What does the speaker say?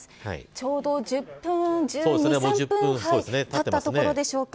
ちょうど、１２、１３分たったところでしょうか。